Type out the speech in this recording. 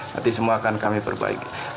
nanti semua akan kami perbaiki